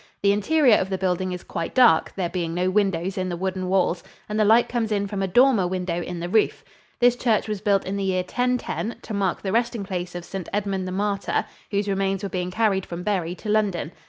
The interior of the building is quite dark, there being no windows in the wooden walls, and the light comes in from a dormer window in the roof. This church was built in the year 1010 to mark the resting place of St. Edmund the Martyr, whose remains were being carried from Bury to London.